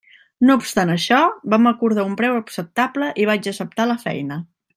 No obstant això, vam acordar un preu acceptable i vaig acceptar la feina.